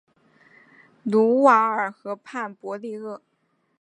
卢瓦尔河畔博利厄。